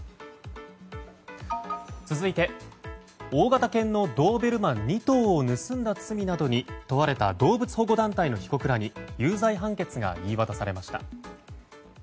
続いて、大型犬のドーベルマン２頭を盗んだ罪などに問われた動物保護団体の被告らに有罪判決が言い渡されました。